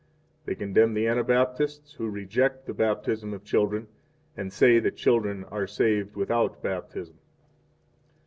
3 They condemn the Anabaptists, who reject the baptism of children, and say that children are saved without Baptism.